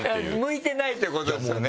向いてないってことですよね。